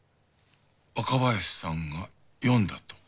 若林さんが読んだと？